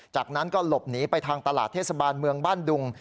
จากนั้นก็หลบหนีไปทางตลาดเทศบาลเมืองบ้านดุง